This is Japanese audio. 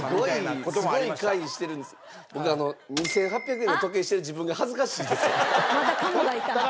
僕２８００円の時計してる自分が恥ずかしいですわ。